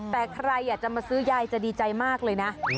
แต่ใครอยากจะมาซื้อยายจะดีใจมากเลยนะ